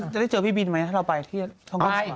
จะได้เจอพี่บินไหมถ้าเราไปที่ทางกลับสว่าง